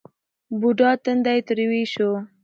بوډا تندی ترېو شو.